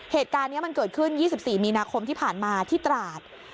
เหตุการณ์นี้มันเกิดขึ้น๒๔มีนาคมที่ผ่านมาที่ตราด